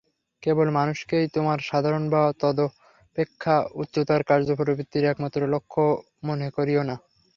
কেবল মানুষকেই তোমার সাধারণ বা তদপেক্ষা উচ্চতর কার্যপ্রবৃত্তির একমাত্র লক্ষ্য মনে করিও না।